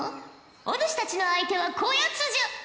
お主たちの相手はこやつじゃ！